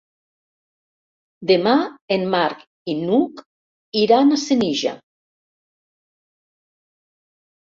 Demà en Marc i n'Hug iran a Senija.